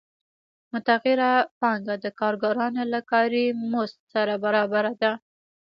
متغیره پانګه د کارګرانو له کاري مزد سره برابره ده